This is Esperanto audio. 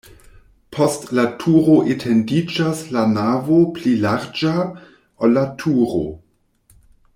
Post la turo etendiĝas la navo pli larĝa, ol la turo.